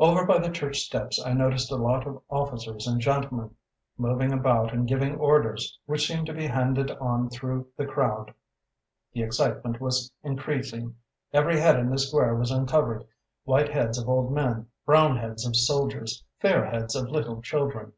"Over by the church steps I noticed a lot of officers and gentlemen moving about and giving orders, which seemed to be handed on through the crowd. The excitement was increasing. Every head in the square was uncovered; white heads of old men, brown heads of soldiers, fair heads of little children.